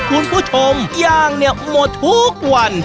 คุณผู้ชมย่างเนี่ยหมดทุกวัน